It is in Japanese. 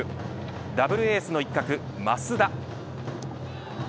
ダブルエースの一角、増田。